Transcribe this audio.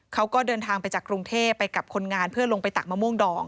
เขาก็เดินทางไปจากกรุงเทพไปกับคนงานเพื่อลงไปตักมะม่วงดอง